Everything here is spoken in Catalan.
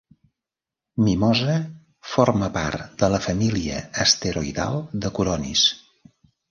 Mimosa forma part de la família asteroidal de Coronis.